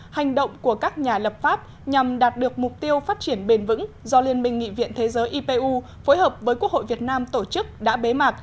hành động của các nhà lập pháp nhằm đạt được mục tiêu phát triển bền vững do liên minh nghị viện thế giới ipu phối hợp với quốc hội việt nam tổ chức đã bế mạc